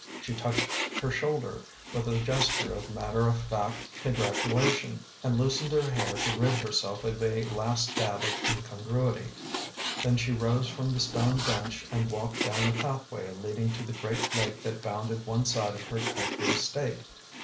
She touched her shoulder, with a gesture of matter of fact congratulation, and loosened her hair to rid herself of a last dab of incongruity. Then she rose from the stone bench and walked down a pathway lead ing to the great lake that bounded one side of her country estate.